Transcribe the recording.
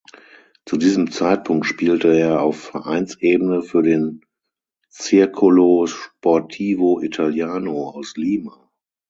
Zu diesem Zeitpunkt spielte er auf Vereinsebene für den "Circolo Sportivo Italiano" aus Lima.